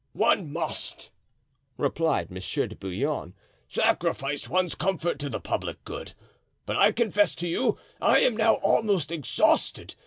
"One must," replied Monsieur de Bouillon, "sacrifice one's comfort to the public good; but I confess to you I am now almost exhausted.